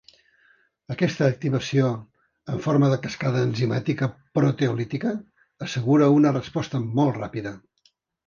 Aquesta activació en forma de cascada enzimàtica proteolítica assegura una resposta molt ràpida.